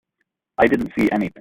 I didn't see anything.